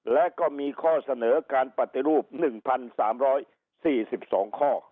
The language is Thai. และก็มีข้อเสนอการปฏิรูป๑๓๔๒ข้อ